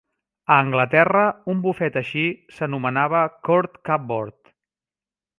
A Anglaterra, un bufet així s'anomenava "court cupboard".